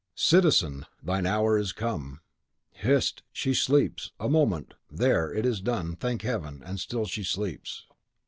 "Citizen, thine hour is come!" "Hist! she sleeps! A moment! There, it is done! thank Heaven! and STILL she sleeps!"